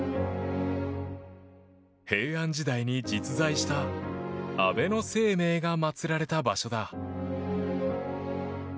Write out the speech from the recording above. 平安時代に実在した安倍晴明が祭られた場所だ。